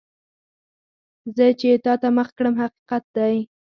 زه چې تا ته مخ کړم، حقیقت دی.